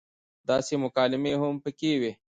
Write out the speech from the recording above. داسې مکالمې هم پکې وې